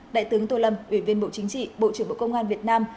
đại tướng tô lâm ủy viên bộ chính trị bộ trưởng bộ công an việt nam